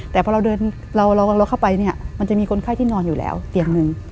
แต่พอเราเดินเราเข้าไปเนี่ยมันจะมีคนไข้ที่นอนอยู่แล้วเตียงหนึ่ง